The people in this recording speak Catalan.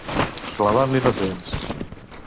Clavar-li les dents.